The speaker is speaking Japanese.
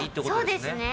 そうですね。